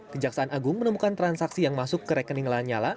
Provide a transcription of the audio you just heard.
kejaksaan agung menemukan transaksi yang masuk ke rekening lanyala